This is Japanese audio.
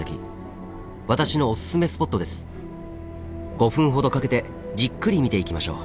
５分ほどかけてじっくり見ていきましょう。